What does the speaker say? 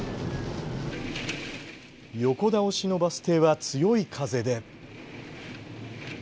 横倒しのバス停は強い風で。